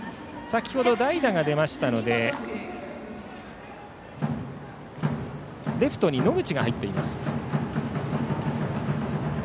先ほど代打が出たのでレフトに野口が入っています。